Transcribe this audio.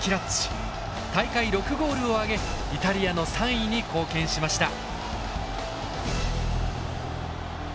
大会６ゴールを挙げイタリアの３位に貢献しました。